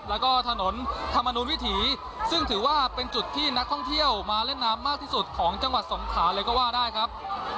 แล้วก็ถนนธรรมนุนวิถีซึ่งถือว่าเป็นจุดที่นักท่องเที่ยวมาเล่นน้ำมากที่สุดของจังหวัดสงขาเลยก็ว่าได้ครับ